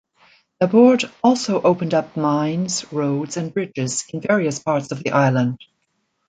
Laborde also opened up mines, roads, and bridges in various parts of the island.